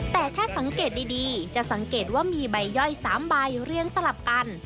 แต่ถ้าสังเกตดีจะสังเกตว่ามีใบย่อย๓ใบเรียงสลับกัน